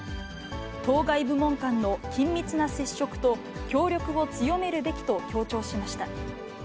当該部門間の緊密な接触と協力を強めるべきと強調しました。